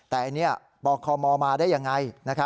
แต่บคมมาได้ยังไง